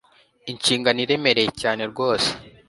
inshingano iremereye cyane rwose…